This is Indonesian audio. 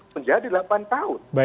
menjadi delapan tahun